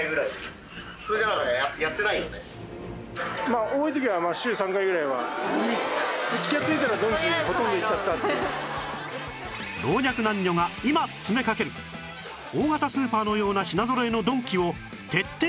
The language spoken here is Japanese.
まあ多い時は老若男女が今詰めかける大型スーパーのような品揃えのドンキを徹底取材